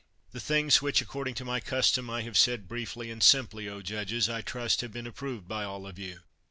The things which, according to my custom, I have said briefly and simply, O judges, I trust have been approved by all of you.